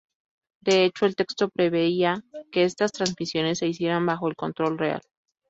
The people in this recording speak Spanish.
De hecho, el texto preveía que estas trasmisiones se hicieran bajo el control real.